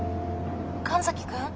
神崎君！？